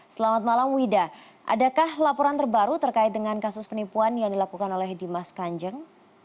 selamat malam wida adakah laporan terbaru terkait dengan kasus penipuan yang dilakukan oleh dimas kanjeng